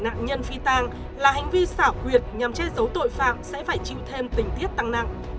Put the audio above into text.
nạn nhân phi tang là hành vi xảo quyệt nhằm che giấu tội phạm sẽ phải chịu thêm tình tiết tăng nặng